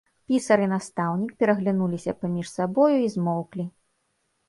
Пісар і настаўнік пераглянуліся паміж сабою і змоўклі.